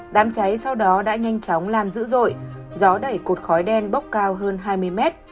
đám cháy sau đó đã nhanh chóng làm dữ dội gió đẩy cột khói đen bốc cao hơn hai mươi m tỏa ra cả khu vực